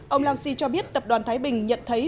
ông lao xi cho biết tập đoàn thái bình nhận thấy